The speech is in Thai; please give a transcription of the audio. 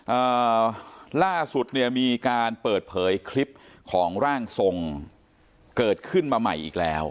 อ่าล่าสุดเนี่ยมีการเปิดเผยคลิปของร่างทรงเกิดขึ้นมาใหม่อีกแล้ว